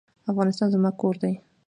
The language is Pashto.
افغانستان زما کور دی